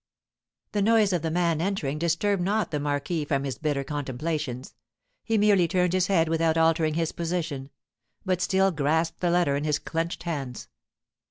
The noise of the man entering disturbed not the marquis from his bitter contemplations; he merely turned his head without altering his position, but still grasped the letter in his clenched hands.